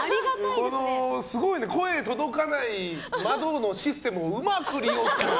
すごいね声届かない窓のシステムをうまく利用する。